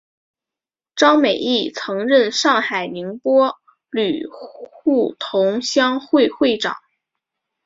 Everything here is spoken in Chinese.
张美翊曾任上海宁波旅沪同乡会会长。